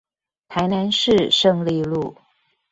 台南市勝利路